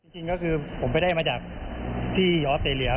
จริงก็คือผมไปได้มาจากที่ออสเตรเลีย